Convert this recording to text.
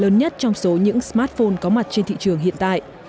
lớn nhất trong số những smartphone có mặt trên thị trường hiện tại